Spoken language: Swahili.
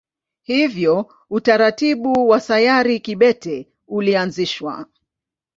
Hivyo utaratibu wa sayari kibete ulianzishwa.